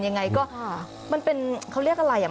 ยังไงก็มันเป็นเขาเรียกอะไรอ่ะ